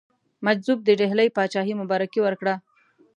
مجذوب د ډهلي پاچهي مبارکي ورکړه.